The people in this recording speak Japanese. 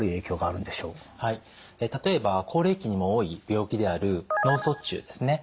例えば高齢期にも多い病気である脳卒中ですね